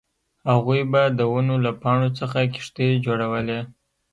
هغوی به د ونو له پاڼو څخه کښتۍ جوړولې